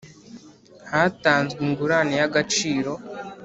hatanzwe ingurane y agaciro